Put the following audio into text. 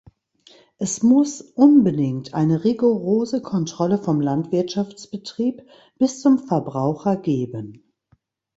Es muss unbedingt eine rigorose Kontrolle vom Landwirtschaftsbetrieb bis zum Verbraucher geben.